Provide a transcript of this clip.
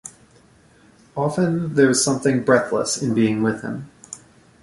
Often there's something breathless in being with him.